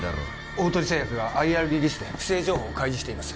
大鳥製薬がＩＲリリースで不正情報を開示しています